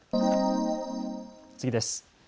次です。